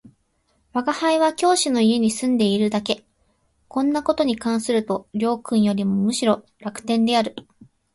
吾輩は教師の家に住んでいるだけ、こんな事に関すると両君よりもむしろ楽天である